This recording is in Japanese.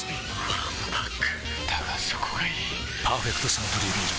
わんぱくだがそこがいい「パーフェクトサントリービール糖質ゼロ」